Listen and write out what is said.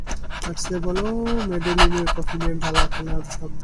তার চেয়ে বলো মেডেলিনের কফিনের ডালা খোলার শব্দ।